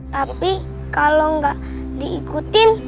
tapi kalau nggak diikuti